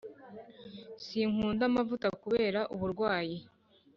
sinkunda amavuta kurera uburwayi